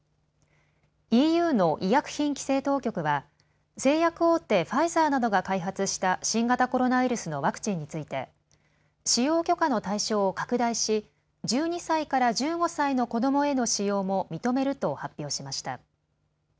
ＥＵの医薬品規制当局は製薬大手、ファイザーなどが開発した新型コロナウイルスのワクチンについて使用許可の対象を拡大し、１２歳から１５歳の子どもへの使用も認めると発表しました。